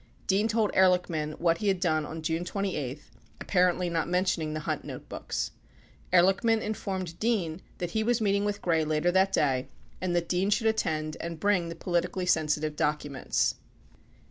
Dean told Ehrlichman what he had done on June 28 (ap parently not mentioning the Hunt notebooks) . Ehrlichman informed Dean that he was meeting with Gray later that day and that Dean should attend and bring the politically sensitive documents.